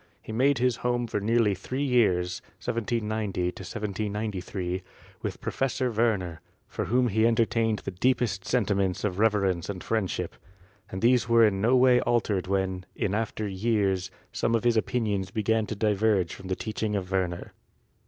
He made his home for nearly three years (1790 1793) with Professor Werner, for whom he entertained the deepest sentiments of rever ence and friendship, and these were in no way altered when, in after years, some of his opinions began to diverge from the teaching of Werner.